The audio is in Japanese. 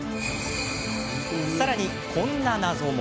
さらに、こんな謎も。